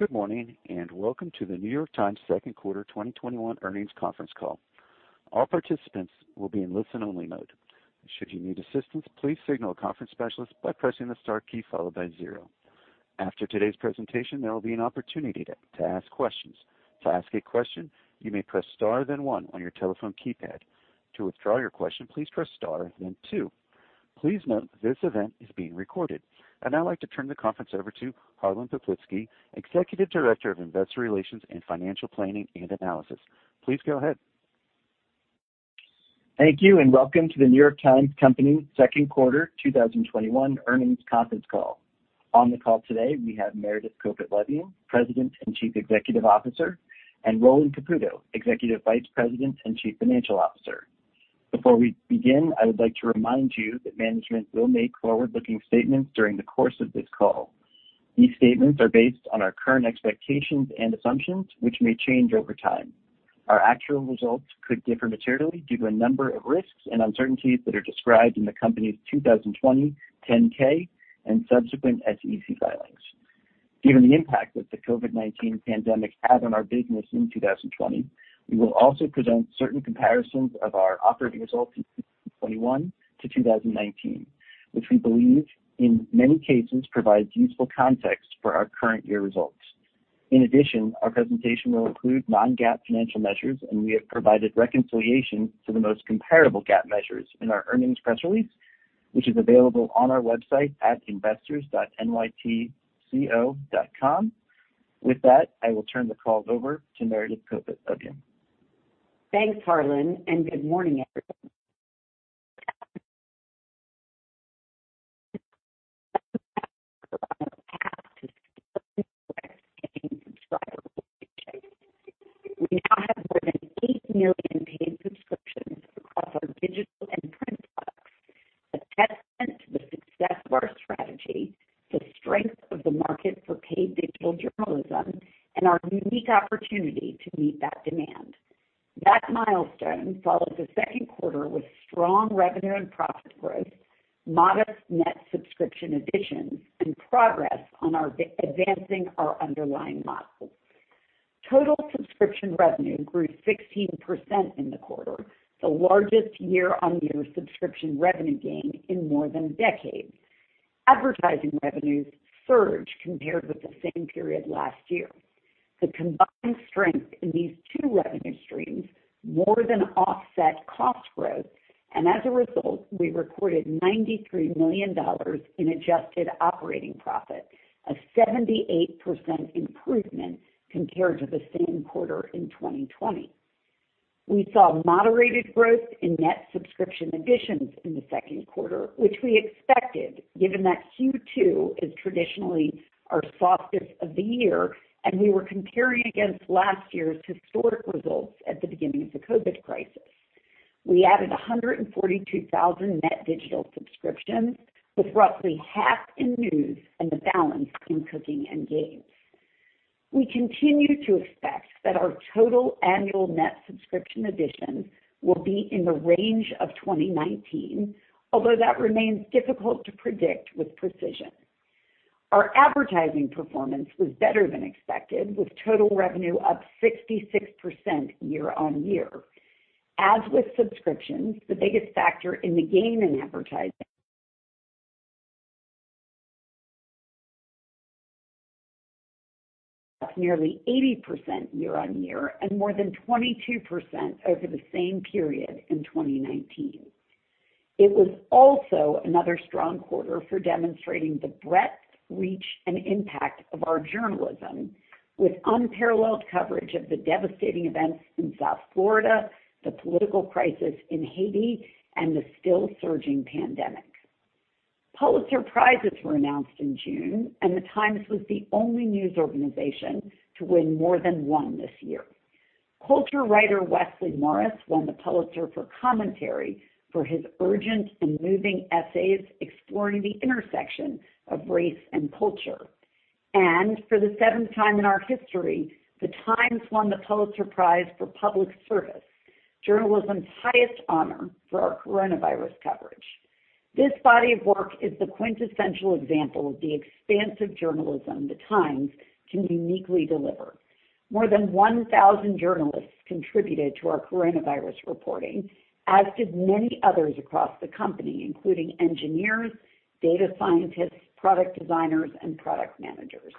Good morning, welcome to The New York Times' second quarter 2021 earnings conference call. All participants will be in listen-only mode. Should you need assistance, please signal a conference specialist by pressing the star key followed by zero. After today's presentation, there will be an opportunity to ask questions. To ask a question, you may press star, then one on your telephone keypad. To withdraw your question, please press star, then two. Please note this event is being recorded. I'd now like to turn the conference over to Harlan Toplitzky, Executive Director of Investor Relations and Financial Planning and Analysis. Please go ahead. Thank you, welcome to The New York Times Company second quarter 2021 earnings conference call. On the call today, we have Meredith Kopit Levien, President and Chief Executive Officer, Roland Caputo, Executive Vice President and Chief Financial Officer. Before we begin, I would like to remind you that management will make forward-looking statements during the course of this call. These statements are based on our current expectations and assumptions, which may change over time. Our actual results could differ materially due to a number of risks and uncertainties that are described in the company's 2020 10-K and subsequent SEC filings. Given the impact that the COVID-19 pandemic had on our business in 2020, we will also present certain comparisons of our operating results in 2021 to 2019, which we believe in many cases provides useful context for our current year results. In addition, our presentation will include non-GAAP financial measures, and we have provided reconciliation to the most comparable GAAP measures in our earnings press release, which is available on our website at investors.nytco.com. With that, I will turn the call over to Meredith Kopit Levien. Thanks, Harlan. Good morning, everyone. We now have more than eight million paid subscriptions across our digital and print products, a testament to the success of our strategy, the strength of the market for paid digital journalism, and our unique opportunity to meet that demand. That milestone follows a second quarter with strong revenue and profit growth, modest net subscription additions, and progress on advancing our underlying model. Total subscription revenue grew 16% in the quarter, the largest year-on-year subscription revenue gain in more than a decade. Advertising revenues surged compared with the same period last year. The combined strength in these two revenue streams more than offset cost growth, and as a result, we recorded $93 million in adjusted operating profit, a 78% improvement compared to the same quarter in 2020. We saw moderated growth in net subscription additions in the second quarter, which we expected given that Q2 is traditionally our softest of the year, and we were comparing against last year's historic results at the beginning of the COVID crisis. We added 142,000 net digital subscriptions, with roughly half in News and the balance in NYT Cooking and NYT Games. We continue to expect that our total annual net subscription additions will be in the range of 2019, although that remains difficult to predict with precision. Our advertising performance was better than expected, with total revenue up 66% year-on-year. As with subscriptions, the biggest factor in the gain in advertising, nearly 80% year-on-year and more than 22% over the same period in 2019. It was also another strong quarter for demonstrating the breadth, reach, and impact of our journalism, with unparalleled coverage of the devastating events in South Florida, the political crisis in Haiti, and the still-surging pandemic. Pulitzer Prizes were announced in June, The Times was the only news organization to win more than one this year. Culture writer Wesley Morris won the Pulitzer for commentary for his urgent and moving essays exploring the intersection of race and culture. For the seventh time in our history, The Times won the Pulitzer Prize for public service, journalism's highest honor, for our coronavirus coverage. This body of work is the quintessential example of the expansive journalism The Times can uniquely deliver. More than 1,000 journalists contributed to our coronavirus reporting, as did many others across the company, including engineers, data scientists, product designers, and product managers.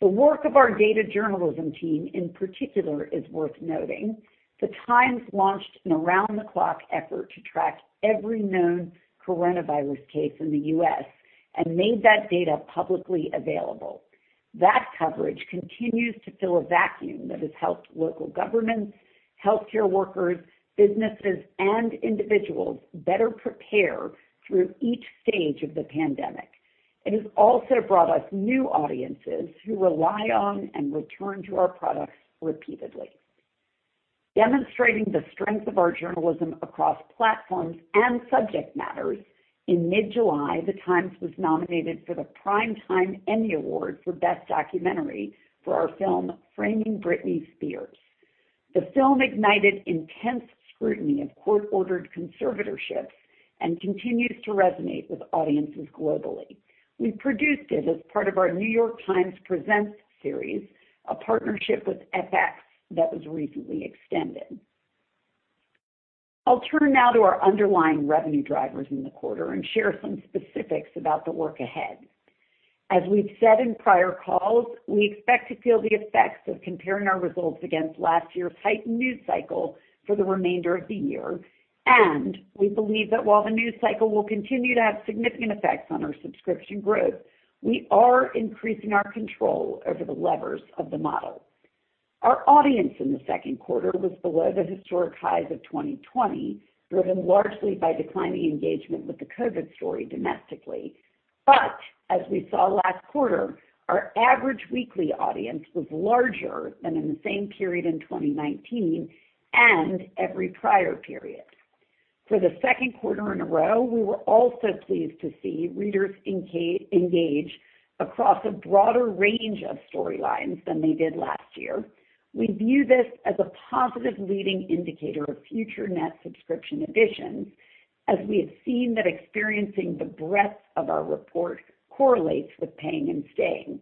The work of our data journalism team in particular is worth noting. The Times launched an around-the-clock effort to track every known coronavirus case in the U.S. and made that data publicly available. That coverage continues to fill a vacuum that has helped local governments, healthcare workers, businesses, and individuals better prepare through each stage of the pandemic. It has also brought us new audiences who rely on and return to our products repeatedly. Demonstrating the strength of our journalism across platforms and subject matters, in mid-July, The Times was nominated for the Primetime Emmy Award for Best Documentary for our film "Framing Britney Spears." The film ignited intense scrutiny of court-ordered conservatorships and continues to resonate with audiences globally. We produced it as part of our New York Times Presents series, a partnership with FX that was recently extended. I'll turn now to our underlying revenue drivers in the quarter and share some specifics about the work ahead. As we've said in prior calls, we expect to feel the effects of comparing our results against last year's heightened news cycle for the remainder of the year, and we believe that while the news cycle will continue to have significant effects on our subscription growth, we are increasing our control over the levers of the model. Our audience in the second quarter was below the historic highs of 2020, driven largely by declining engagement with the COVID-19 story domestically. As we saw last quarter, our average weekly audience was larger than in the same period in 2019 and every prior period. For the second quarter in a row, we were also pleased to see readers engage across a broader range of storylines than they did last year. We view this as a positive leading indicator of future net subscription additions, as we have seen that experiencing the breadth of our report correlates with paying and staying.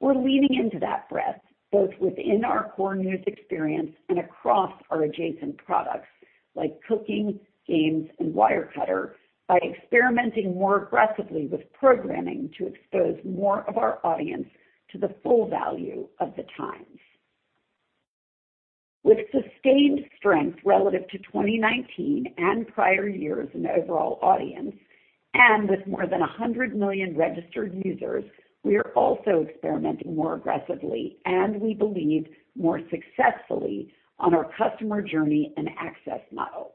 We're leaning into that breadth both within our core News experience and across our adjacent products like Cooking, Games, and Wirecutter by experimenting more aggressively with programming to expose more of our audience to the full value of "The Times." With sustained strength relative to 2019 and prior years in the overall audience, and with more than 100 million registered users, we are also experimenting more aggressively, and we believe more successfully on our customer journey and access model.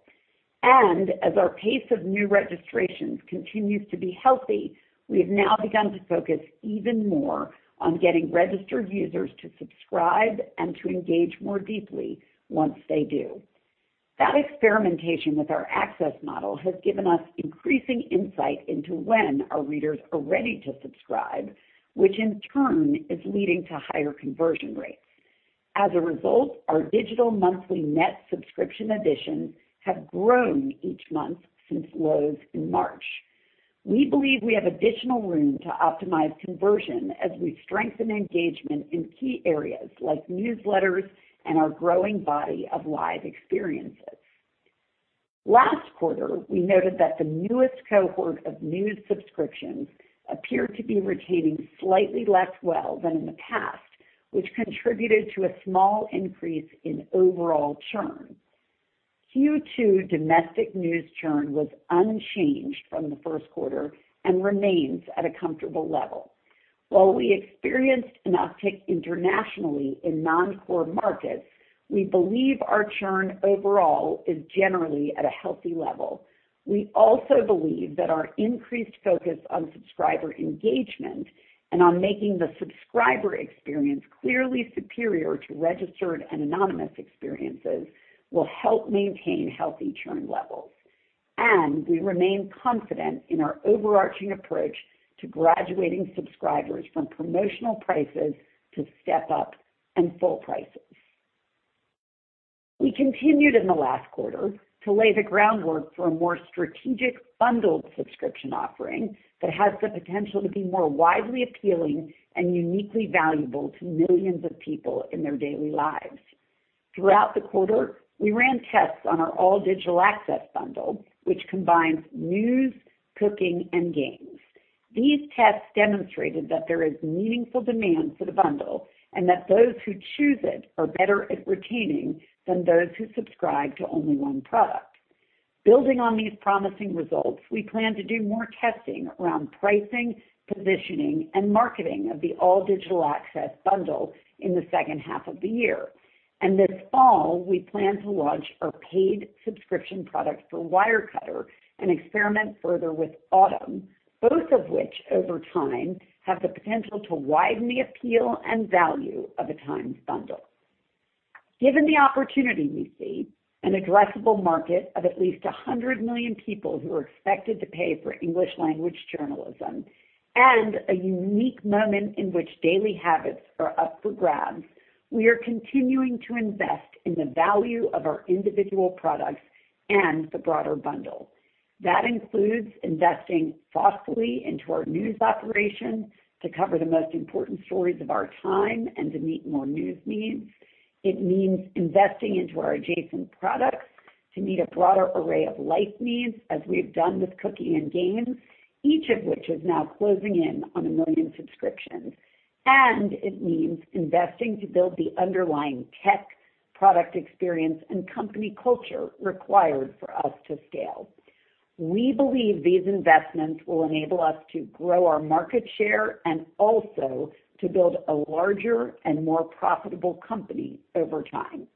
As our pace of new registrations continues to be healthy, we have now begun to focus even more on getting registered users to subscribe and to engage more deeply once they do. That experimentation with our access model has given us increasing insight into when our readers are ready to subscribe, which in turn is leading to higher conversion rates. As a result, our digital monthly net subscription additions have grown each month since lows in March. We believe we have additional room to optimize conversion as we strengthen engagement in key areas like newsletters and our growing body of live experiences. Last quarter, we noted that the newest cohort of News subscriptions appeared to be retaining slightly less well than in the past, which contributed to a small increase in overall churn. Q2 domestic News churn was unchanged from the first quarter and remains at a comfortable level. While we experienced an uptick internationally in non-core markets, we believe our churn overall is generally at a healthy level. We also believe that our increased focus on subscriber engagement and on making the subscriber experience clearly superior to registered and anonymous experiences will help maintain healthy churn levels, and we remain confident in our overarching approach to graduating subscribers from promotional prices to step-up and full prices. We continued in the last quarter to lay the groundwork for a more strategic bundled subscription offering that has the potential to be more widely appealing and uniquely valuable to millions of people in their daily lives. Throughout the quarter, we ran tests on our All Digital Access bundle, which combines News, NYT Cooking, and NYT Games. These tests demonstrated that there is meaningful demand for the bundle, and that those who choose it are better at retaining than those who subscribe to only one product. Building on these promising results, we plan to do more testing around pricing, positioning, and marketing of the All Digital Access bundle in the second half of the year. This fall, we plan to launch our paid subscription product for Wirecutter and experiment further with Audm, both of which over time have the potential to widen the appeal and value of a "Times" bundle. Given the opportunity we see an addressable market of at least 100 million people who are expected to pay for English language journalism and a unique moment in which daily habits are up for grabs, we are continuing to invest in the value of our individual products and the broader bundle. That includes investing thoughtfully into our News operation to cover the most important stories of our time and to meet more News needs. It means investing into our adjacent products to meet a broader array of life needs, as we've done with NYT Cooking and NYT Games, each of which is now closing in on one million subscriptions. It means investing to build the underlying tech product experience and company culture required for us to scale. We believe these investments will enable us to grow our market share and also to build a larger and more profitable company over time.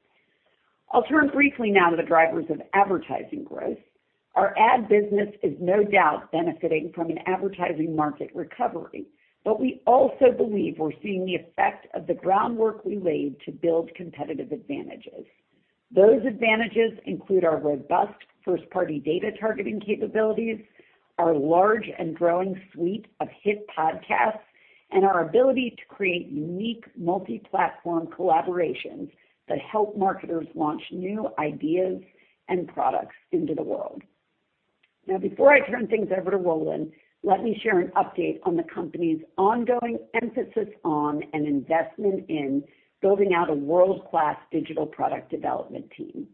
I'll turn briefly now to the drivers of advertising growth. Our ad business is no doubt benefiting from an advertising market recovery, but we also believe we're seeing the effect of the groundwork we laid to build competitive advantages. Those advantages include our robust first-party data targeting capabilities, our large and growing suite of hit podcasts, and our ability to create unique multi-platform collaborations that help marketers launch new ideas and products into the world. Now, before I turn things over to Roland, let me share an update on the company's ongoing emphasis on, and investment in building out a world-class digital product development team.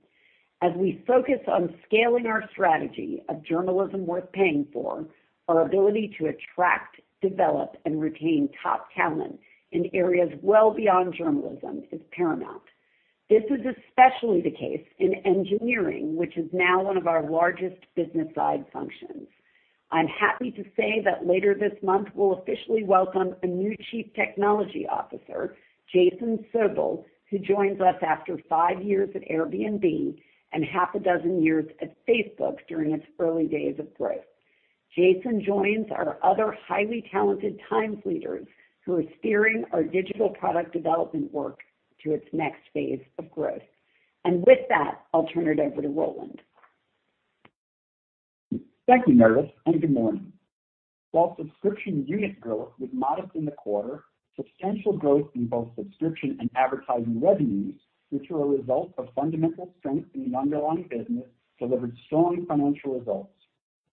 As we focus on scaling our strategy of journalism worth paying for, our ability to attract, develop, and retain top talent in areas well beyond journalism is paramount. This is especially the case in engineering, which is now one of our largest business side functions. I'm happy to say that later this month, we'll officially welcome a new Chief Technology Officer, Jason Sobel, who joins us after five years at Airbnb and half a dozen years at Facebook during its early days of growth. Jason joins our other highly talented Times leaders who are steering our digital product development work to its next phase of growth. With that, I'll turn it over to Roland. Thank you, Meredith, and good morning. While subscription unit growth was modest in the quarter, substantial growth in both subscription and advertising revenues, which were a result of fundamental strength in the underlying business, delivered strong financial results.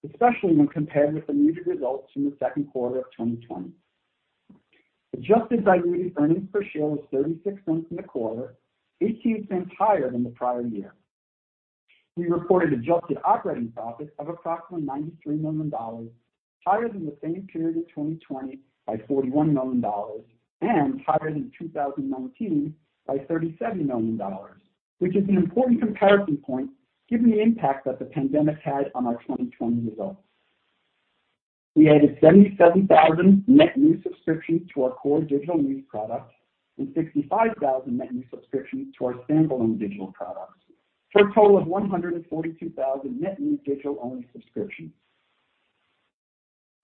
Especially when compared with the muted results from the second quarter of 2020. Adjusted diluted earnings per share was $0.36 in the quarter, $0.18 higher than the prior year. We reported adjusted operating profits of approximately $93 million, higher than the same period in 2020 by $41 million, and higher than 2019 by $37 million, which is an important comparison point given the impact that the pandemic had on our 2020 results. We added 77,000 net new subscriptions to our core digital news products and 65,000 net new subscriptions to our standalone digital products, for a total of 142,000 net new digital-only subscriptions.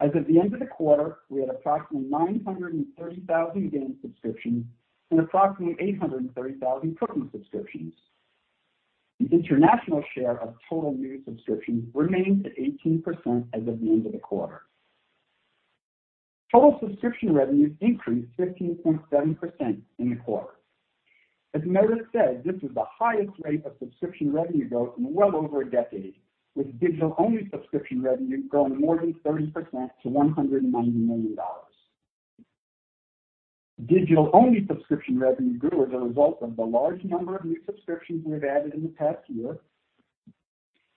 As of the end of the quarter, we had approximately 930,000 NYT Games subscriptions and approximately 830,000 NYT Cooking subscriptions. The international share of total News subscriptions remains at 18% as of the end of the quarter. Total subscription revenues increased 15.7% in the quarter. As Meredith said, this was the highest rate of subscription revenue growth in well over a decade, with digital-only subscription revenue growing more than 30% to $190 million. Digital-only subscription revenue grew as a result of the large number of new subscriptions we've added in the past year,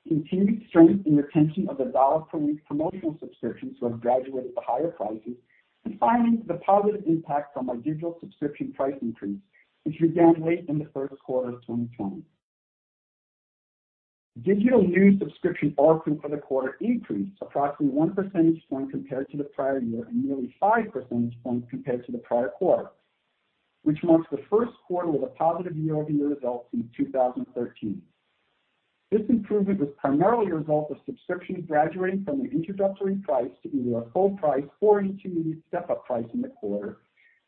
continued strength in the retention of the dollar per week promotional subscriptions who have graduated to higher prices, and finally, the positive impact from our digital subscription price increase, which began late in the first quarter of 2020. Digital news subscription ARPU for the quarter increased approximately 1 percentage point compared to the prior year and nearly 5 percentage points compared to the prior quarter, which marks the first quarter with a positive year-over-year result since 2013. This improvement was primarily a result of subscriptions graduating from an introductory price to either a full price or intermediate step-up price in the quarter,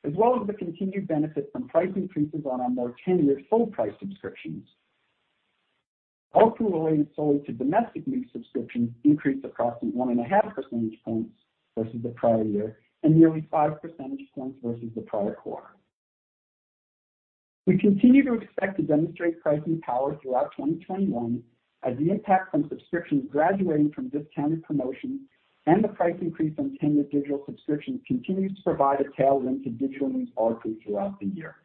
as well as the continued benefit from price increases on our more tenured full price subscriptions. ARPU related solely to domestic news subscriptions increased approximately 1.5 percentage points versus the prior year and nearly 5 percentage points versus the prior quarter. We continue to expect to demonstrate pricing power throughout 2021 as the impact from subscriptions graduating from discounted promotions and the price increase on tenured digital subscriptions continues to provide a tailwind to digital news ARPU throughout the year.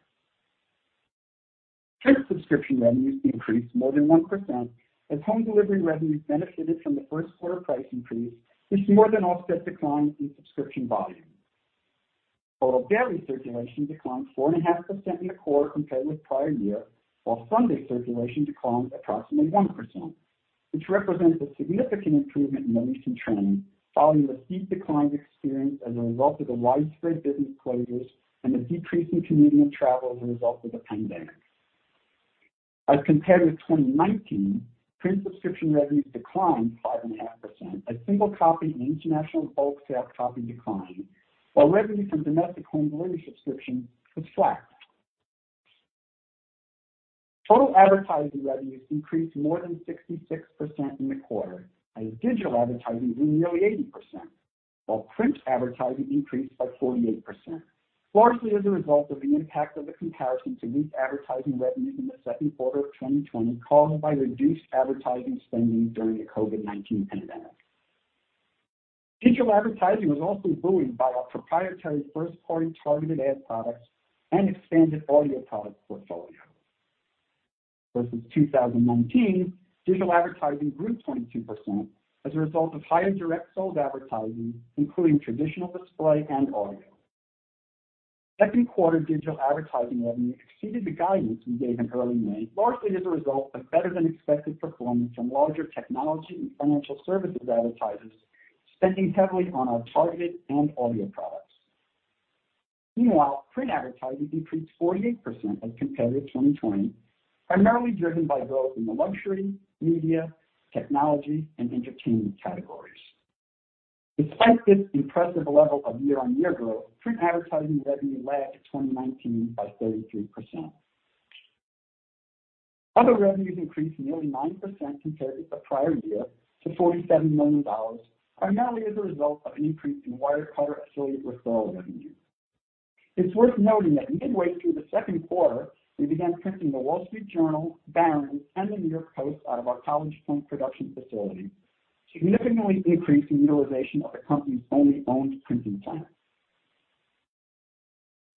Print subscription revenues increased more than 1% as home delivery revenues benefited from the first quarter price increase, which more than offset declines in subscription volume. Total daily circulation declined 4.5% in the quarter compared with prior year, while Sunday circulation declined approximately 1%, which represents a significant improvement in the recent trend following a steep decline experienced as a result of the widespread business closures and the decrease in commuting travel as a result of the pandemic. As compared with 2019, print subscription revenues declined 5.5% as single-copy and international bulk sales copy declined, while revenue from domestic home delivery subscriptions was flat. Total advertising revenues increased more than 66% in the quarter as digital advertising grew nearly 80%, while print advertising increased by 48%, largely as a result of the impact of the comparison to weak advertising revenue in the second quarter of 2020 caused by reduced advertising spending during the COVID-19 pandemic. Digital advertising was also buoyed by our proprietary first-party targeted ad products and expanded audio product portfolio. Versus 2019, digital advertising grew 22% as a result of higher direct sold advertising, including traditional display and audio. Second quarter digital advertising revenue exceeded the guidance we gave in early May, largely as a result of better-than-expected performance from larger technology and financial services advertisers spending heavily on our targeted and audio products. Meanwhile, print advertising increased 48% as compared to 2020, primarily driven by growth in the luxury, media, technology, and entertainment categories. Despite this impressive level of year-on-year growth, print advertising revenue lagged 2019 by 33%. Other revenues increased nearly 9% compared with the prior year to $47 million, primarily as a result of an increase in Wirecutter affiliate referral revenue. It's worth noting that midway through the second quarter, we began printing The Wall Street Journal, Barron's, and the New York Post out of our College Point production facility, significantly increasing utilization of the company's only owned printing plant.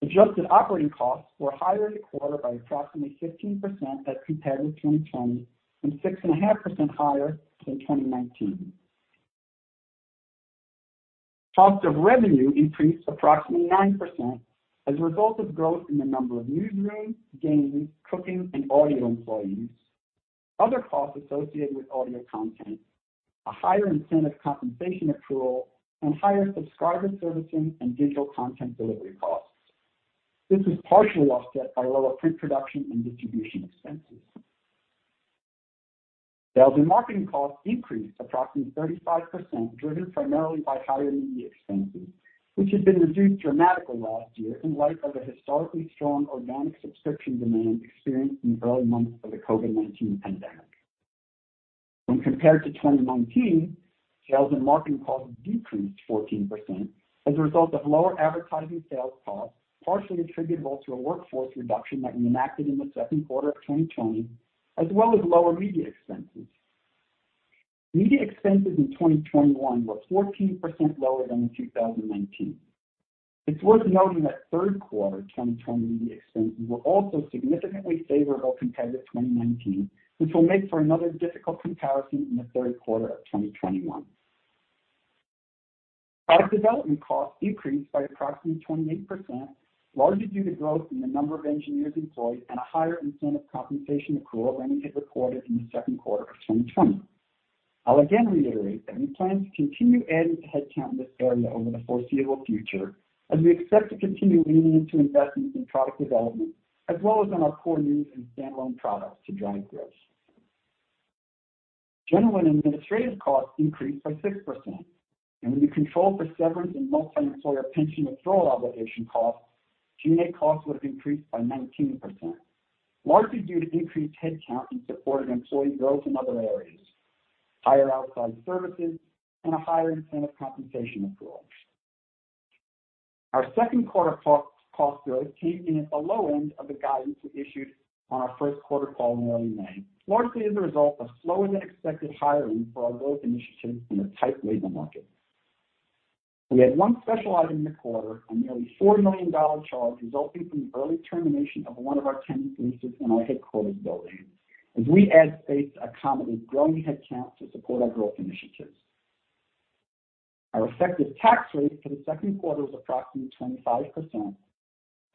Adjusted operating costs were higher this quarter by approximately 15% as compared with 2020 and 6.5% higher than 2019. Cost of revenue increased approximately 9% as a result of growth in the number of newsroom, Games, Cooking, and audio employees, other costs associated with audio content, a higher incentive compensation accrual, and higher subscriber servicing and digital content delivery costs. This was partially offset by lower print production and distribution expenses. Sales and marketing costs increased approximately 35%, driven primarily by higher media expenses, which had been reduced dramatically last year in light of the historically strong organic subscription demand experienced in the early months of the COVID-19 pandemic. When compared to 2019, sales and marketing costs decreased 14% as a result of lower advertising sales costs, partially attributable to a workforce reduction that we enacted in the second quarter of 2020, as well as lower media expenses. Media expenses in 2021 were 14% lower than in 2019. It's worth noting that third quarter 2020 media expenses were also significantly favorable compared to 2019, which will make for another difficult comparison in the third quarter of 2021. Product development costs increased by approximately 28%, largely due to growth in the number of engineers employed and a higher incentive compensation accrual than we had recorded in the second quarter of 2020. I'll again reiterate that we plan to continue adding to headcount in this area over the foreseeable future, as we expect to continue leaning into investments in product development, as well as on our core News and standalone products to drive growth. When you control for severance and multi-employer pension accrual obligation costs, G&A costs would have increased by 19%, largely due to increased headcount in support of employee growth in other areas, higher outside services, and a higher incentive compensation accrual. Our second quarter cost growth came in at the low end of the guidance we issued on our first quarter call in early May, largely as a result of slower-than-expected hiring for our growth initiatives in a tight labor market. We had one special item this quarter, a nearly $4 million charge resulting from the early termination of one of our tenant leases in our headquarters building as we add space to accommodate growing headcount to support our growth initiatives. Our effective tax rate for the second quarter was approximately 25%.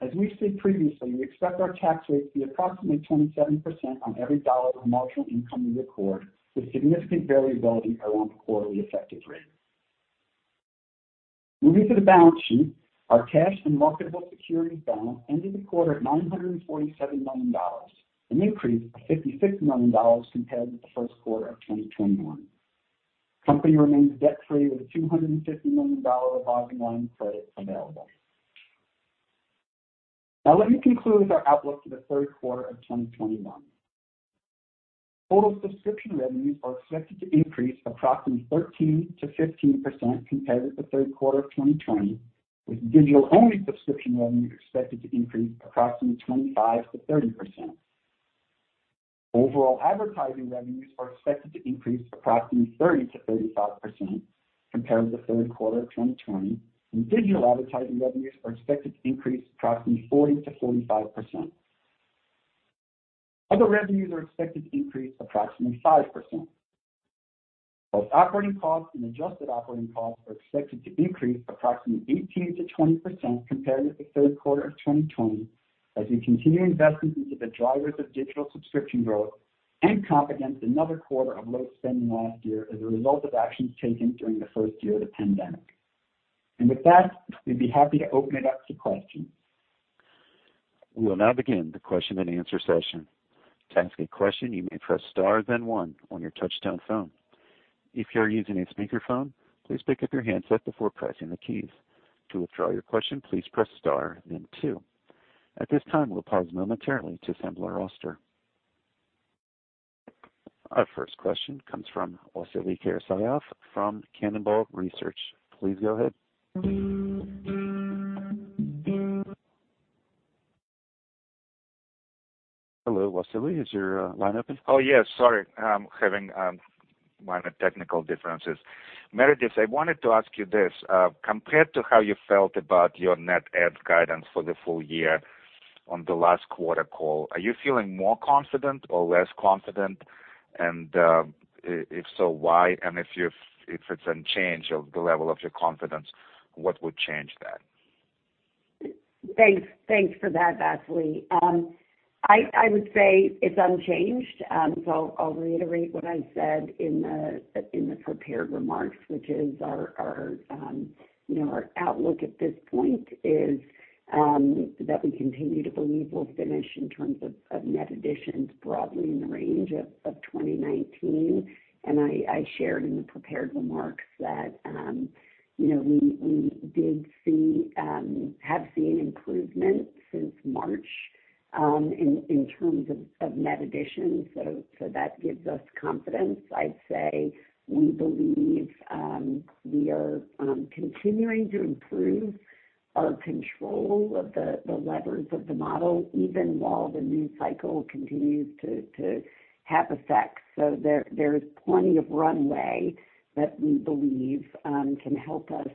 As we've said previously, we expect our tax rate to be approximately 27% on every dollar of marginal income we record, with significant variability around the quarterly effective rate. Moving to the balance sheet, our cash and marketable securities balance ended the quarter at $947 million, an increase of $56 million compared with the first quarter of 2021. Company remains debt-free with $250 million of revolving line of credit available. Let me conclude with our outlook for the third quarter of 2021. Total subscription revenues are expected to increase approximately 13%-15% compared with the third quarter of 2020, with digital-only subscription revenues expected to increase approximately 25%-30%. Overall advertising revenues are expected to increase approximately 30%-35% compared with the third quarter of 2020, digital advertising revenues are expected to increase approximately 40%-45%. Other revenues are expected to increase approximately 5%. Both operating costs and adjusted operating costs are expected to increase approximately 18%-20% compared with the third quarter of 2020, as we continue investments into the drivers of digital subscription growth and [confidence] against another quarter of low spending last year as a result of actions taken during the first year of the pandemic. With that, we'd be happy to open it up to questions. We will now begin the question and answer session. To ask a question, you may press star then one on your touchtone phone. If you are using a speakerphone, please pick up your handset before pressing the keys. To withdraw your question, please press star then two. At this time, we'll pause momentarily to assemble our roster. Our first question comes from Vasily Karasyov from Cannonball Research. Please go ahead. Hello, Vasily, is your line open? Oh, yes, sorry. I'm having minor technical differences. Meredith, I wanted to ask you this. Compared to how you felt about your net add guidance for the full year on the last quarter call, are you feeling more confident or less confident? If so, why? If it's unchanged of the level of your confidence, what would change that? Thanks for that, Vasily. I would say it's unchanged. I'll reiterate what I said in the prepared remarks, which is our outlook at this point is that we continue to believe we'll finish in terms of net additions broadly in the range of 2019, and I shared in the prepared remarks that we have seen improvement since March in terms of net additions. That gives us confidence. I'd say we believe we are continuing to improve our control of the levers of the model, even while the news cycle continues to have effect. There is plenty of runway that we believe can help us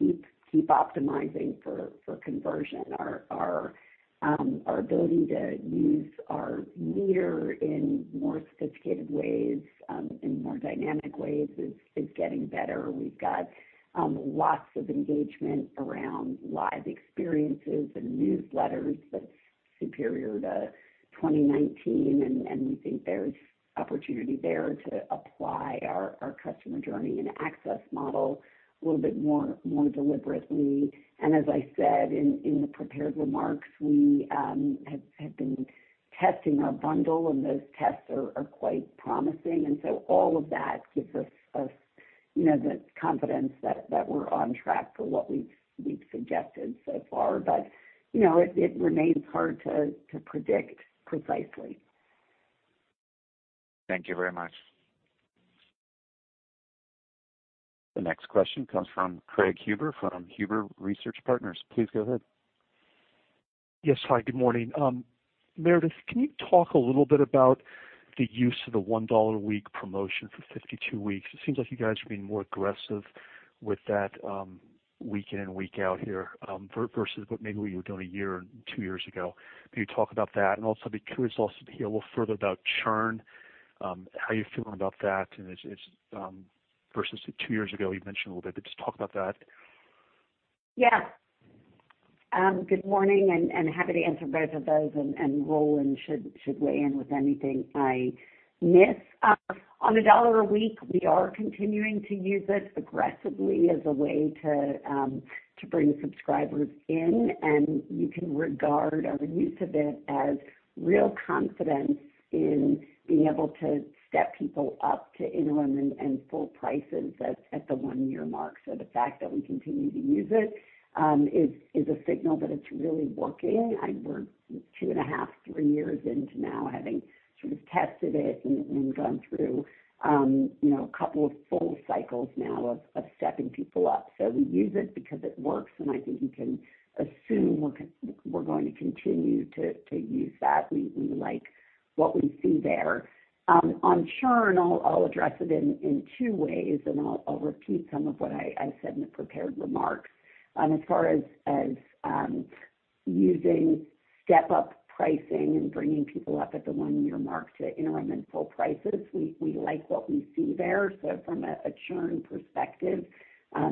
keep optimizing for conversion. Our ability to use our meter in more sophisticated ways, in more dynamic ways, is getting better. We've got lots of engagement around live experiences and newsletters that's superior to 2019, and we think there's opportunity there to apply our customer journey and access model a little bit more deliberately. As I said in the prepared remarks, we have been testing our bundle, and those tests are quite promising. All of that gives us the confidence that we're on track for what we've suggested so far. It remains hard to predict precisely. Thank you very much. The next question comes from Craig Huber from Huber Research Partners. Please go ahead. Yes. Hi, good morning. Meredith, can you talk a little bit about the use of the $1 a week promotion for 52 weeks? It seems like you guys are being more aggressive with that week in, week out here, versus what maybe what you were doing one year or two years ago. Can you talk about that? Also, I'd be curious also to hear a little further about churn. How you're feeling about that, and versus two years ago, you mentioned a little bit, but just talk about that. Yeah. Good morning, happy to answer both of those, and Roland should weigh in with anything I miss. On a $1 a week, we are continuing to use it aggressively as a way to bring subscribers in, you can regard our use of it as real confidence in being able to step people up to interim and full prices at the one-year mark. The fact that we continue to use it is a signal that it's really working. We're two and a half, three years into now having sort of tested it and gone through a couple of full cycles now of stepping people up. We use it because it works, I think you can assume we're going to continue to use that. We like what we see there. On churn, I'll address it in two ways, and I'll repeat some of what I said in the prepared remarks. As far as using step-up pricing and bringing people up at the one-year mark to interim and full prices, we like what we see there. From a churn perspective,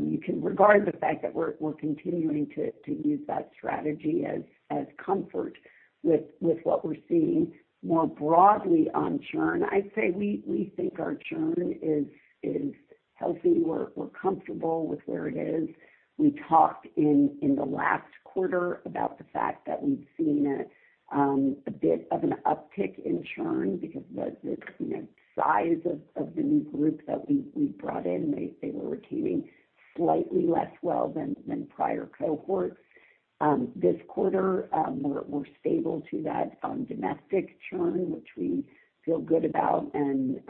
you can regard the fact that we're continuing to use that strategy as comfort with what we're seeing more broadly on churn. I'd say we think our churn is healthy. We're comfortable with where it is. We talked in the last quarter about the fact that we've seen a bit of an uptick in churn because the size of the new group that we brought in, they were retaining slightly less well than prior cohorts. This quarter, we're stable to that domestic churn, which we feel good about and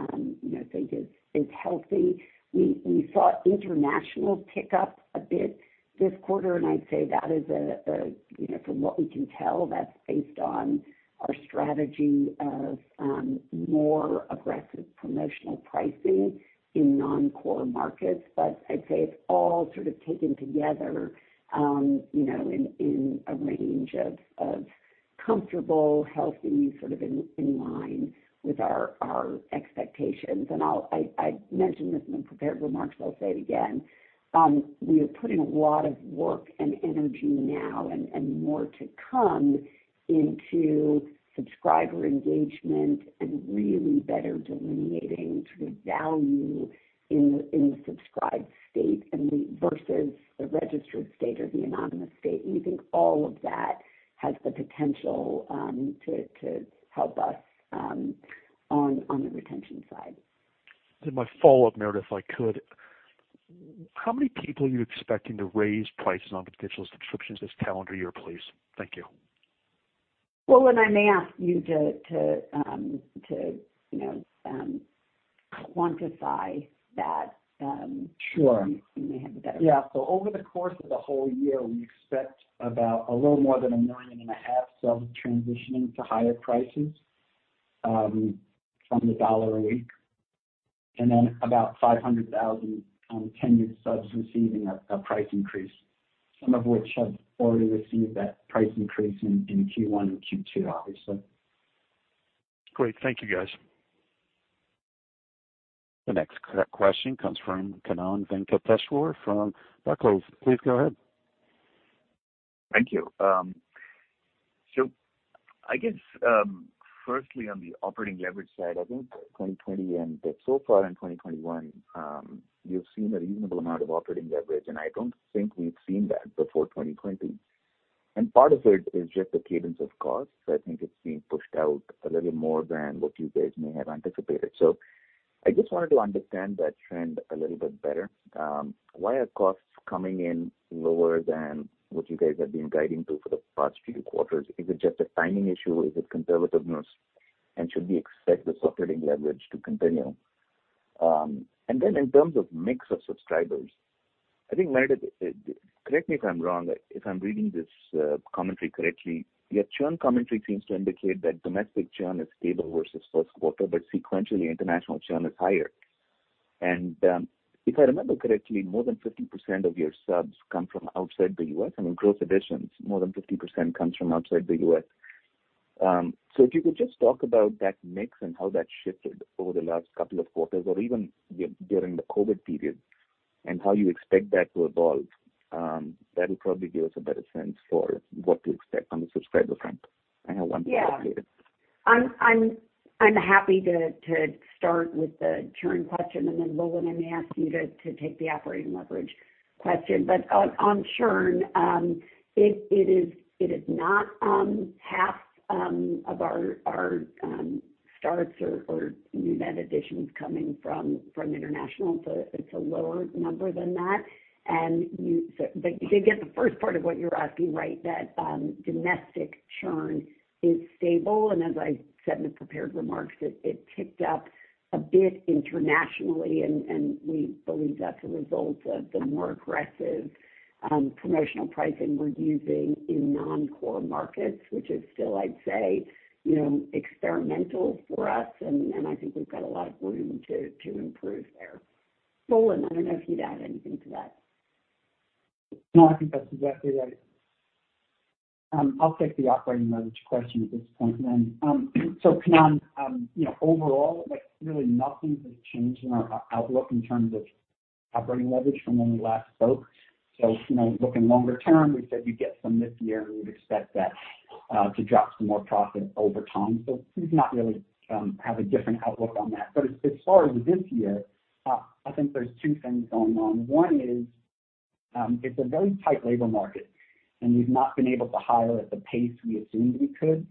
think is healthy. We saw international pick up a bit this quarter, and I'd say that is, from what we can tell, that's based on our strategy of more aggressive promotional pricing in non-core markets. I'd say it's all sort of taken together in a range of comfortable, healthy, sort of in line with our expectations. I mentioned this in the prepared remarks, but I'll say it again. We are putting a lot of work and energy now, and more to come, into subscriber engagement and really better delineating sort of value in the subscribed state versus the registered state or the anonymous state. We think all of that has the potential to help us on the retention side. My follow-up, Meredith, if I could. How many people are you expecting to raise prices on potential subscriptions this calendar year, please? Thank you. Roland, I may ask you to quantify that. Sure. You may have a better- Yeah. Over the course of the whole year, we expect about a little more than 1.5 million subs transitioning to higher prices from the $1 a week, and then about 500,000 tenured subs receiving a price increase, some of which have already received that price increase in Q1 and Q2, obviously. Great. Thank you, guys. The next question comes from Kannan Venkateshwar from Barclays. Please go ahead. Thank you. I guess, firstly, on the operating leverage side, I think 2020 and so far in 2021, you've seen a reasonable amount of operating leverage, and I don't think we've seen that before 2020. Part of it is just the cadence of costs. I think it's being pushed out a little more than what you guys may have anticipated. I just wanted to understand that trend a little bit better. Why are costs coming in lower than what you guys have been guiding to for the past few quarters? Is it just a timing issue? Is it conservativeness? Should we expect the operating leverage to continue? In terms of mix of subscribers, I think, Meredith, correct me if I'm wrong, if I'm reading this commentary correctly, your churn commentary seems to indicate that domestic churn is stable versus first quarter, but sequentially, international churn is higher. If I remember correctly, more than 50% of your subs come from outside the U.S., I mean, gross additions, more than 50% comes from outside the U.S. If you could just talk about that mix and how that shifted over the last couple of quarters or even during the COVID period, and how you expect that to evolve, that'll probably give us a better sense for what to expect on the subscriber front. I have one for Roland later. Yeah. I'm happy to start with the churn question, and then Roland, I may ask you to take the operating leverage question. On churn, it is not half of our starts or new net additions coming from international. It's a lower number than that. You did get the first part of what you're asking, right, that domestic churn is stable. As I said in the prepared remarks, it ticked up a bit internationally, and we believe that's a result of the more aggressive promotional pricing we're using in non-core markets, which is still, I'd say, experimental for us. I think we've got a lot of room to improve there. Roland, I don't know if you'd add anything to that. No, I think that's exactly right. I'll take the operating leverage question at this point then. Kannan, overall, really nothing has changed in our outlook in terms of operating leverage from when we last spoke. Looking longer term, we said we'd get some this year and we'd expect that to drop some more profit over time. We do not really have a different outlook on that. As far as this year, I think there's two things going on. One is, it's a very tight labor market and we've not been able to hire at the pace we assumed we could.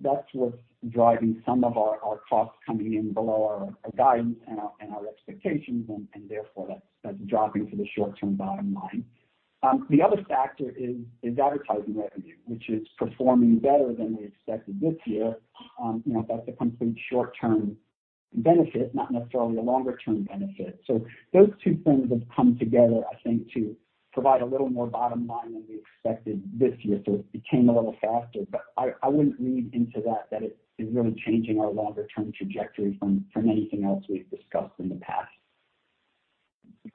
That's what's driving some of our costs coming in below our guidance and our expectations and therefore that's dropping for the short term bottom line. The other factor is advertising revenue, which is performing better than we expected this year. That's a complete short-term benefit, not necessarily a longer-term benefit. Those two things have come together, I think, to provide a little more bottom line than we expected this year. It became a little faster, but I wouldn't read into that it is really changing our longer-term trajectory from anything else we've discussed in the past.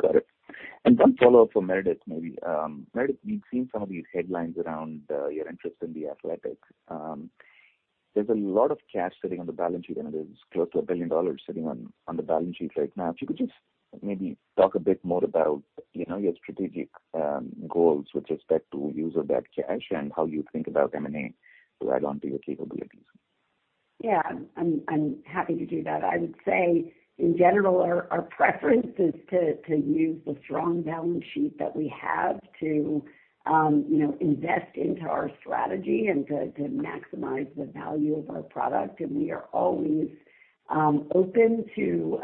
Got it. One follow-up for Meredith, maybe. Meredith, we've seen some of these headlines around your interest in The Athletic. There's a lot of cash sitting on the balance sheet, and it is close to $1 billion sitting on the balance sheet right now. If you could just maybe talk a bit more about your strategic goals with respect to use of that cash and how you think about M&A to add onto your capabilities. Yeah. I'm happy to do that. I would say in general, our preference is to use the strong balance sheet that we have to invest into our strategy and to maximize the value of our product. We are always open to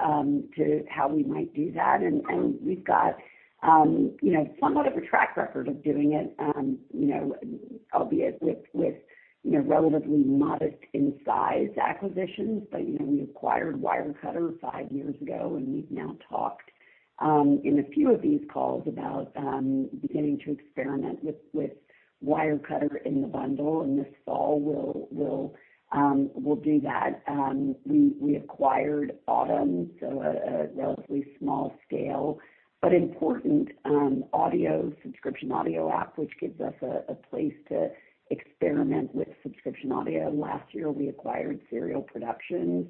how we might do that. We've got somewhat of a track record of doing it, albeit with relatively modest in size acquisitions. We acquired Wirecutter five years ago, and we've now talked in a few of these calls about beginning to experiment with Wirecutter in the bundle. This fall, we'll do that. We acquired Audm, so a relatively small scale, but important audio, subscription audio app, which gives us a place to experiment with subscription audio. Last year, we acquired Serial Productions,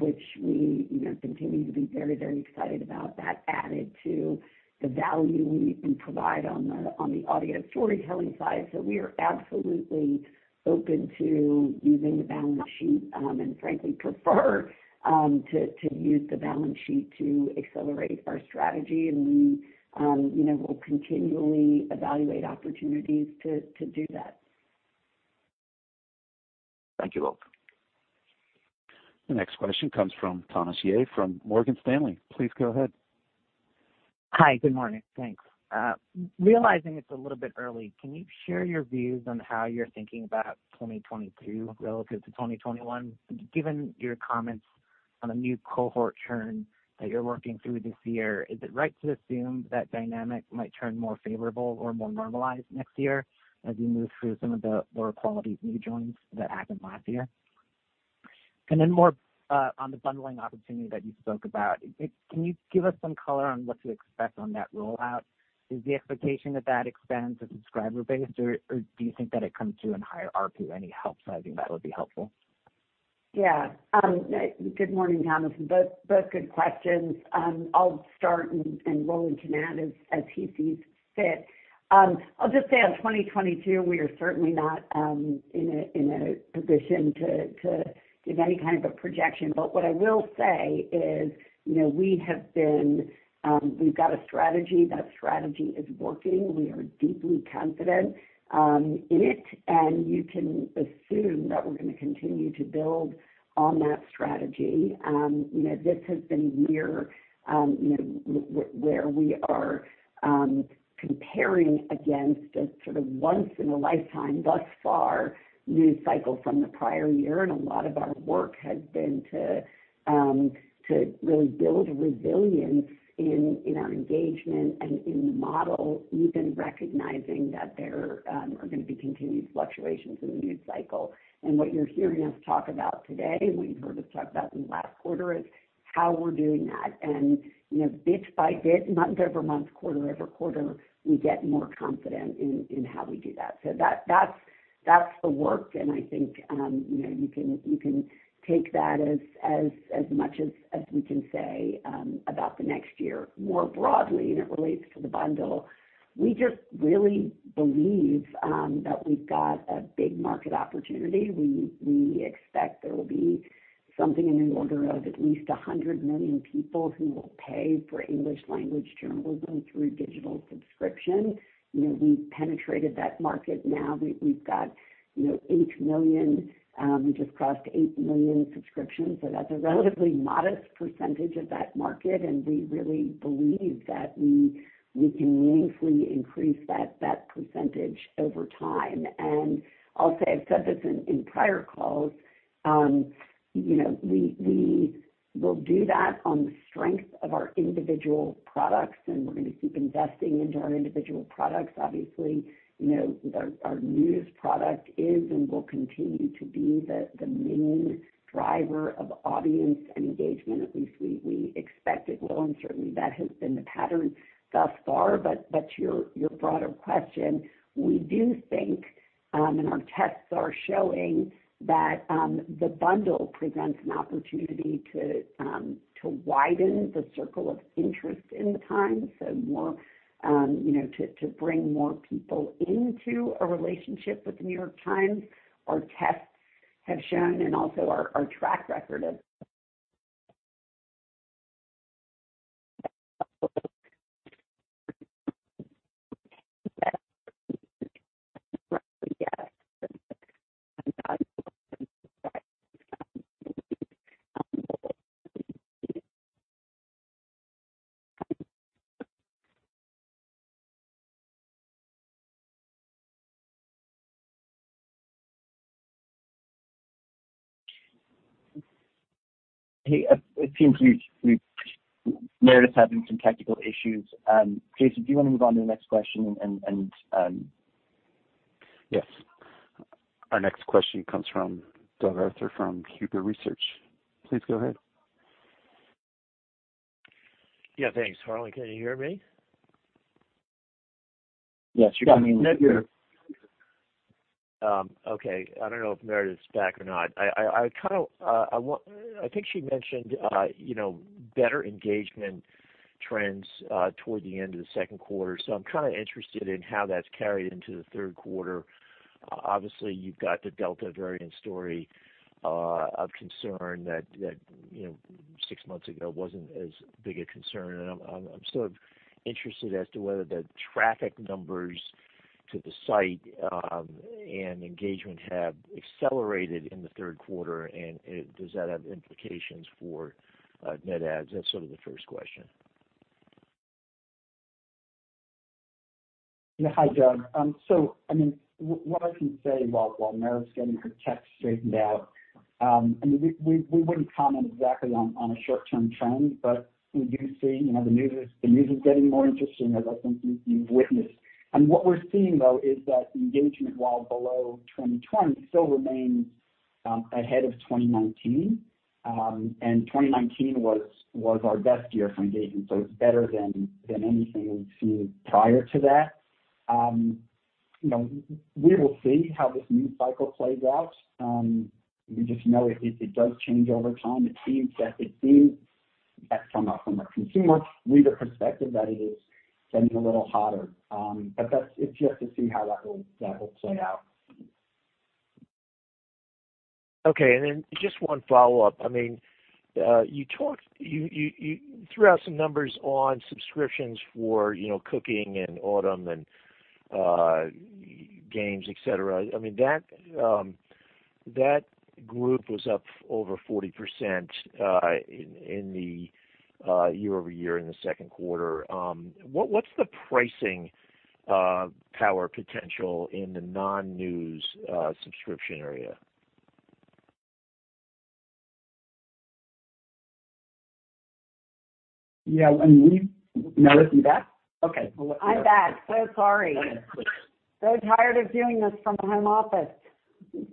which we continue to be very excited about. That added to the value we can provide on the audio storytelling side. We are absolutely open to using the balance sheet, and frankly prefer to use the balance sheet to accelerate our strategy. We will continually evaluate opportunities to do that. Thank you both. The next question comes from Thomas Yeh from Morgan Stanley. Please go ahead. Hi. Good morning. Thanks. Realizing it's a little bit early, can you share your views on how you're thinking about 2022 relative to 2021? Given your comments on the new cohort churn that you're working through this year, is it right to assume that dynamic might turn more favorable or more normalized next year as you move through some of the lower quality new joins that happened last year? More on the bundling opportunity that you spoke about. Can you give us some color on what to expect on that rollout? Is the expectation that that expands the subscriber base, or do you think that it comes through in higher ARPU? Any help sizing that would be helpful. Yeah. Good morning, Thomas. Both good questions. I'll start and roll into Roland as he sees fit. I'll just say on 2022, we are certainly not in a position to give any kind of a projection. What I will say is we've got a strategy, that strategy is working. We are deeply confident in it, and you can assume that we're going to continue to build on that strategy. This has been a year where we are comparing against a sort of once in a lifetime, thus far, news cycle from the prior year, and a lot of our work has been to really build resilience in our engagement and in the model, even recognizing that there are going to be continued fluctuations in the news cycle. What you're hearing us talk about today, and what you've heard us talk about in the last quarter, is how we're doing that. Bit by bit, month-over-month, quarter-over-quarter, we get more confident in how we do that. That's the work, and I think you can take that as much as we can say about the next year. More broadly, and it relates to the bundle, we just really believe that we've got a big market opportunity. We expect there will be something in the order of at least 100 million people who will pay for English language journalism through digital subscription. We've penetrated that market now. We just crossed eight million subscriptions. That's a relatively modest percentage of that market, and we really believe that we can meaningfully increase that percentage over time. I'll say, I've said this in prior calls, we will do that on the strength of our individual products, and we're going to keep investing into our individual products. Obviously, our News product is and will continue to be the main driver of audience and engagement. At least we expect it will, and certainly, that has been the pattern thus far. To your broader question, we do think, and our tests are showing that the bundle presents an opportunity to widen the circle of interest in The New York Times, so to bring more people into a relationship with The New York Times. Our tests have shown, and also our track record of- Hey, it seems Meredith's having some technical issues. Jason, do you want to move on to the next question? Yes. Our next question comes from Doug Arthur from Huber Research. Please go ahead. Yeah, thanks. Harlan, can you hear me? Yes, you're coming through. Okay, I don't know if Meredith's back or not. I think she mentioned better engagement trends toward the end of the second quarter. I'm kind of interested in how that's carried into the third quarter. Obviously, you've got the Delta variant story of concern that six months ago wasn't as big a concern. I'm sort of interested as to whether the traffic numbers to the site and engagement have accelerated in the third quarter. Does that have implications for net adds? That's sort of the first question. Hi, Doug. What I can say while Meredith's getting her tech straightened out, we wouldn't comment exactly on a short-term trend, but we do see the news is getting more interesting, as I think you've witnessed. What we're seeing, though, is that engagement, while below 2020, still remains ahead of 2019. 2019 was our best year for engagement. It's better than anything we've seen prior to that. We will see how this news cycle plays out. We just know it does change over time. It seems that it is, from a consumer reader perspective, that it is getting a little hotter. It's yet to see how that will play out. Okay, just one follow-up. You threw out some numbers on subscriptions for NYT Cooking and Audm and NYT Games, et cetera. That group was up over 40% year-over-year in the second quarter. What's the pricing power potential in the non-news subscription area? Meredith, you back? Okay. I'm back. Sorry. Okay. Tired of doing this from home office.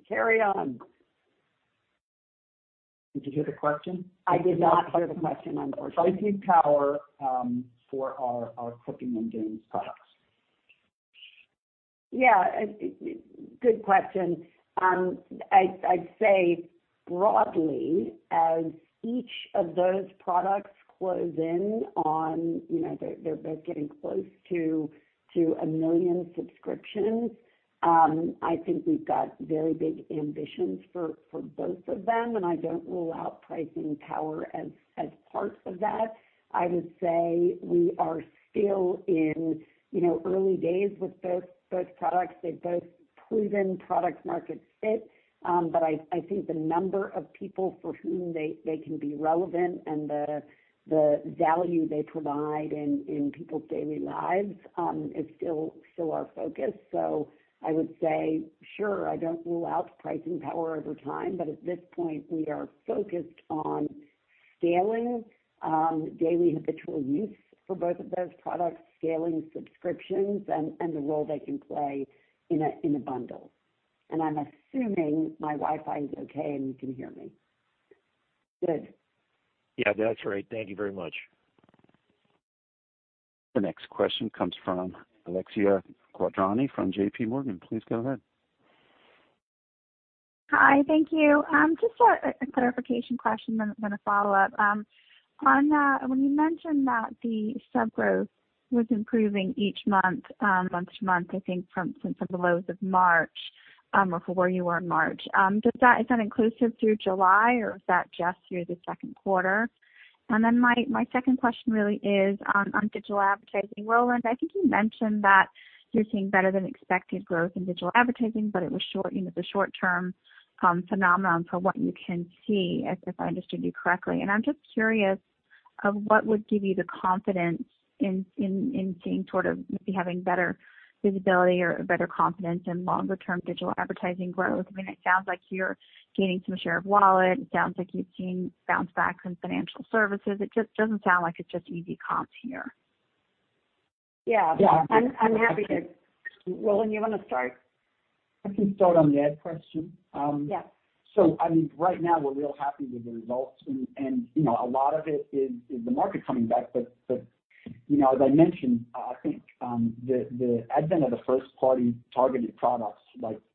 Carry on. Did you hear the question? I did not hear the question, unfortunately. Pricing power for our Cooking and Games products. Yeah. Good question. I'd say broadly, as each of those products, they're getting close to one million subscriptions. I think we've got very big ambitions for both of them, and I don't rule out pricing power as part of that. I would say we are still in early days with both products. They've both proven product-market fit. I think the number of people for whom they can be relevant and the value they provide in people's daily lives is still our focus. I would say, sure, I don't rule out pricing power over time, but at this point, we are focused on scaling daily habitual use for both of those products, scaling subscriptions, and the role they can play in a bundle. I'm assuming my Wi-Fi is okay, and you can hear me. Good. Yeah, that's right. Thank you very much. The next question comes from Alexia Quadrani from JPMorgan. Please go ahead. Hi, thank you. Just a clarification question, then a follow-up. When you mentioned that the sub growth was improving each month to month, I think from the lows of March, or where you were in March, is that inclusive through July, or is that just through the second quarter? My second question really is on digital advertising. Roland, I think you mentioned that you're seeing better-than-expected growth in digital advertising, but it was the short-term phenomenon for what you can see, if I understood you correctly. I'm just curious of what would give you the confidence in seeing sort of maybe having better visibility or better confidence in longer-term digital advertising growth. I mean, it sounds like you're gaining some share of wallet. It sounds like you're seeing bounce-backs in financial services. It just doesn't sound like it's just easy comps here. Yeah. I'm happy to, Roland, you want to start? I can start on the ad question. Yeah. Right now, we're real happy with the results, and a lot of it is the market coming back. As I mentioned, I think the advent of the first-party targeted products,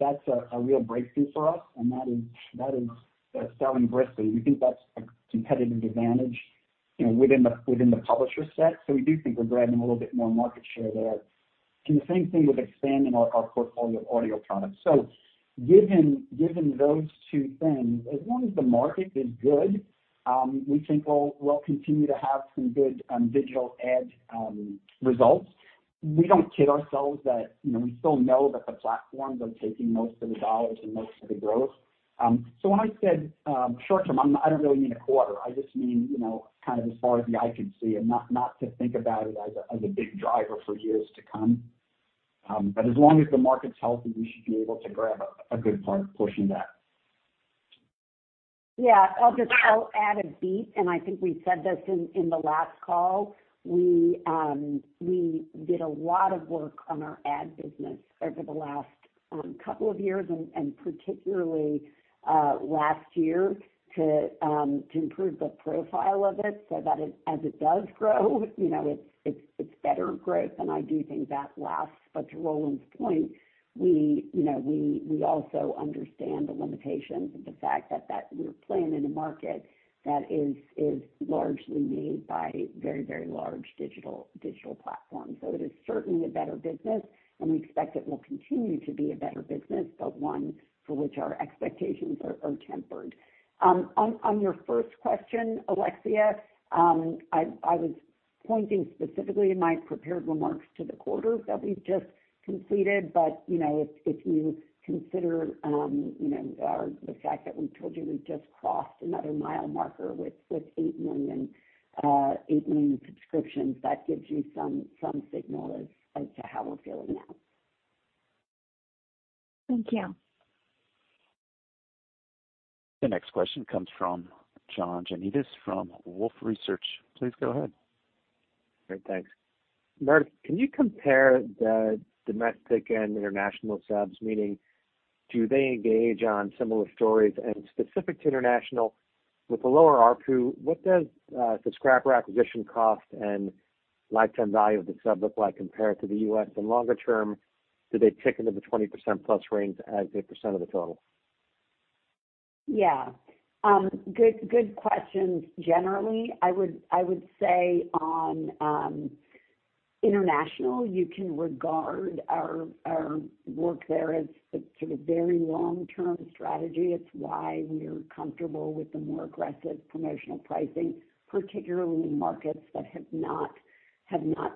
that's a real breakthrough for us, and that is selling briskly. We think that's a competitive advantage within the publisher set. We do think we're grabbing a little bit more market share there. The same thing with expanding our portfolio of audio products. Given those two things, as long as the market is good, we think we'll continue to have some good digital ad results. We don't kid ourselves that we still know that the platforms are taking most of the dollars and most of the growth. When I said short-term, I don't really mean a quarter. I just mean kind of as far as the eye can see and not to think about it as a big driver for years to come. As long as the market's healthy, we should be able to grab a good portion of that. Yeah. I'll add a beat, and I think we said this in the last call. We did a lot of work on our ad business over the last couple of years, and particularly last year, to improve the profile of it so that as it does grow, it's better growth, and I do think that lasts. To Roland's point, we also understand the limitations of the fact that we're playing in a market that is largely made by very large digital platforms. It is certainly a better business, and we expect it will continue to be a better business, but one for which our expectations are tempered. On your first question, Alexia, I was pointing specifically in my prepared remarks to the quarter that we've just completed. If you consider the fact that we told you we just crossed another mile marker with eight million subscriptions, that gives you some signal as to how we're feeling now. Thank you. The next question comes from John Janedis from Wolfe Research. Please go ahead. Great. Thanks. Meredith, can you compare the domestic and international subs? Meaning, do they engage on similar stories? Specific to international, with the lower ARPU, what does subscriber acquisition cost and lifetime value of the sub look like compared to the U.S.? Longer term, do they tick into the 20%+ range as a percentage of the total? Yeah. Good questions. Generally, I would say on international, you can regard our work there as a sort of very long-term strategy. It's why we are comfortable with the more aggressive promotional pricing, particularly in markets that have not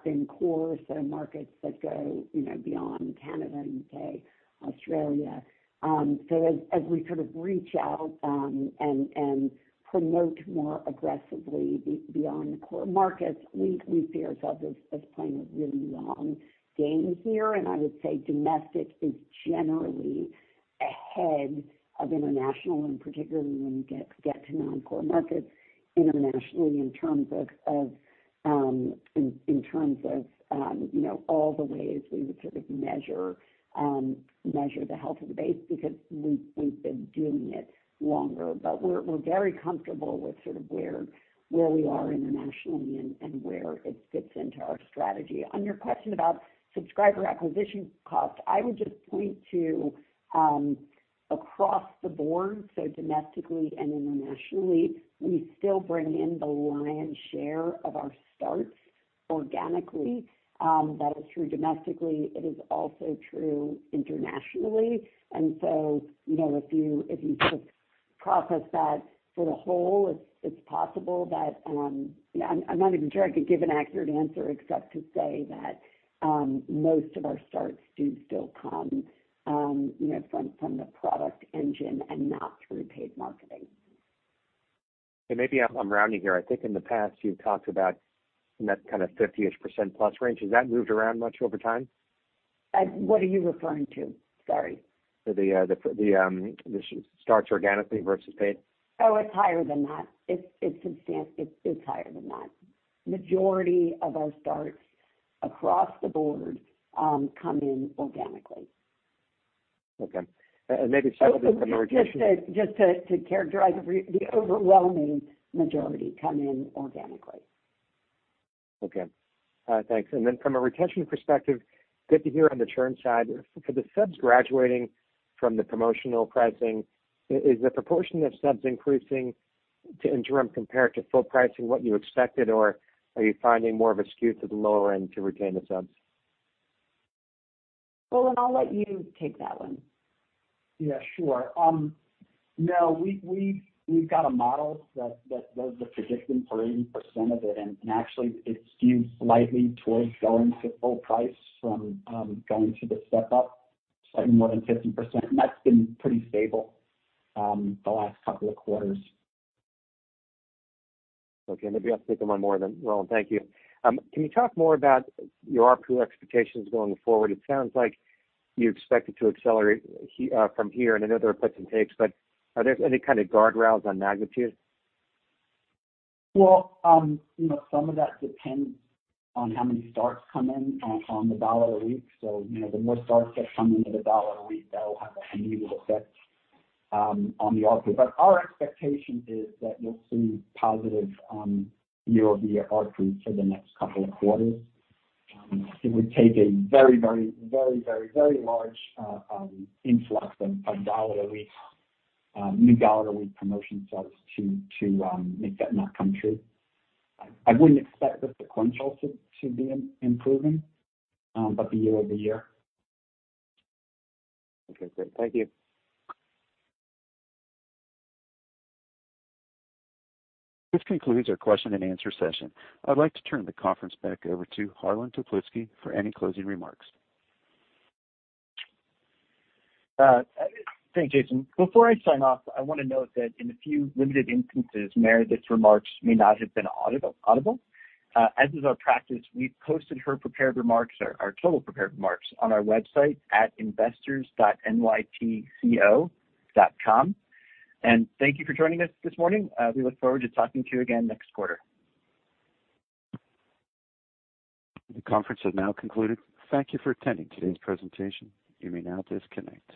been core. Markets that go beyond Canada, U.K., Australia. As we sort of reach out and promote more aggressively beyond the core markets, we see ourselves as playing a really long game here. I would say domestic is generally ahead of international, and particularly when you get to non-core markets internationally in terms of all the ways we would sort of measure the health of the base, because we've been doing it longer. We're very comfortable with sort of where we are internationally and where it fits into our strategy. On your question about subscriber acquisition cost, I would just point to, across the board, so domestically and internationally, we still bring in the lion's share of our starts organically. That is true domestically, it is also true internationally. If you sort of process that for the whole, it's possible that I'm not even sure I could give an accurate answer except to say that most of our starts do still come from the product engine and not through paid marketing. Maybe I'm rounding here. I think in the past you've talked about in that kind of 50-ish %+ range. Has that moved around much over time? What are you referring to? Sorry. The starts organically versus paid. Oh, it's higher than that. It's higher than that. Majority of our starts across the board come in organically. Okay. Just to characterize, the overwhelming majority come in organically. Okay. Thanks. From a retention perspective, good to hear on the churn side. For the subs graduating from the promotional pricing, is the proportion of subs increasing to interim compared to full pricing what you expected, or are you finding more of a skew to the lower end to retain the subs? Roland, I'll let you take that one. Yeah, sure. No, we've got a model that does the prediction for 80% of it. Actually, it skews slightly towards going to full price from going to the step-up, slightly more than 50%, and that's been pretty stable the last couple of quarters. Okay, maybe I'll take one more then, Roland. Thank you. Can you talk more about your ARPU expectations going forward? It sounds like you expect it to accelerate from here, and I know there are puts and takes, but are there any kind of guardrails on magnitude? Some of that depends on how many starts come in on the dollar a week. The more starts that come into the dollar a week, that'll have a meaningful effect on the ARPU. Our expectation is that you'll see positive year-over-year ARPU for the next couple of quarters. It would take a very large influx of new dollar a week promotion starts to make that not come true. I wouldn't expect the sequential to be improving, but the year-over-year. Okay, great. Thank you. This concludes our question-and-answer session. I'd like to turn the conference back over to Harlan Toplitzky for any closing remarks. Thanks, Jason. Before I sign off, I want to note that in a few limited instances, Meredith's remarks may not have been audible. As is our practice, we've posted her prepared remarks, our total prepared remarks, on our website at investors.nytco.com. Thank you for joining us this morning. We look forward to talking to you again next quarter. The conference has now concluded. Thank you for attending today's presentation. You may now disconnect.